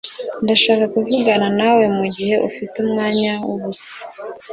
Ndashaka kuvugana nawe mugihe ufite umwanya wubusa